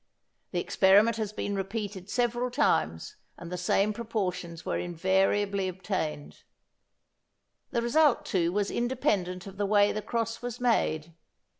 The experiment has been repeated several times and the same proportions were invariably obtained. The result, too, was independent of the way the cross was made.